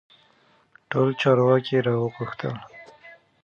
ټول چارواکي را وغوښتل.